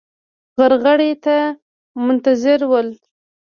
غرغړې ته منتظر ول.